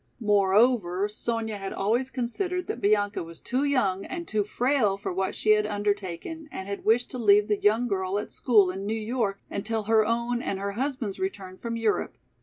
Moreover, Sonya had always considered that Bianca was too young and too frail for what she had undertaken and had wished to leave the young girl at school in New York until her own and her husband's return from Europe.